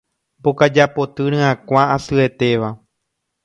Mbokaja poty ryakuã asyetéva